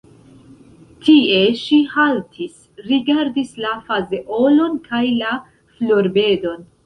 Tie ŝi haltis, rigardis la fazeolon kaj la florbedon.